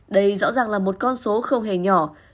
đây rõ ràng là một con số không hề nhỏ